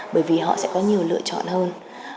bởi vì họ sẽ có nhiều lựa chọn hơn